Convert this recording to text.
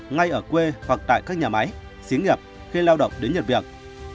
ngay ở quê hoặc tại các nhà máy xí nghiệp khi lao động đến nhật việt